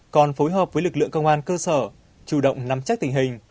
còn phối hợp với lực lượng công an cơ sở chủ động nắm chắc tình hình